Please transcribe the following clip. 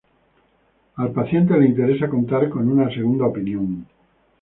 Al paciente le interesa contar con una segunda opinión.